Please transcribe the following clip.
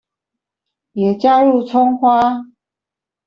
也加入蔥花